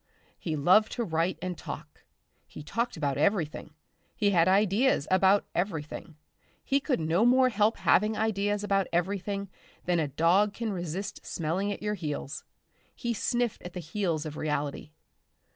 He loved to write and talk. He talked about everything, he had ideas about everything; he could no more help having ideas about everything than a dog can resist smelling at your heels. He sniffed at the heels of reality.